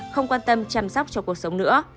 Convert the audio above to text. không quan tâm chăm sóc cho cuộc sống nữa